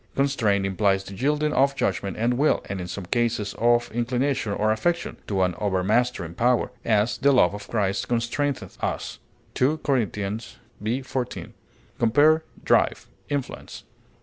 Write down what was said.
Constrain implies the yielding of judgment and will, and in some cases of inclination or affection, to an overmastering power; as, "the love of Christ constraineth us," 2 Cor. v, 14. Compare DRIVE; INFLUENCE.